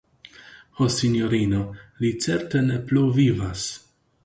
Ho, sinjorino, li certe ne plu vivas.